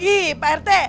gini pak rt